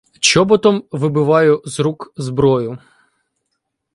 Чоботом вибиваю з рук зброю.